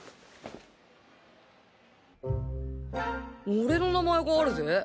俺の名前があるぜ。